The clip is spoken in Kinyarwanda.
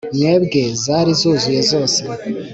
mwebwe zari zuzuye zose